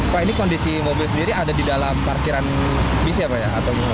pak ini kondisi mobil sendiri ada di dalam parkiran bis ya pak ya